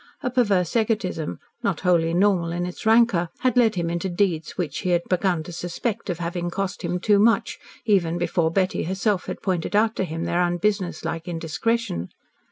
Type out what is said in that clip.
A perverse egotism, not wholly normal in its rancour, had led him into deeds which he had begun to suspect of having cost him too much, even before Betty herself had pointed out to him their unbusinesslike indiscretion.